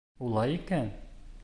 — Улай икән...